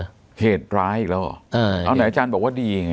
เอาไหนอาจารย์บอกว่าดีไง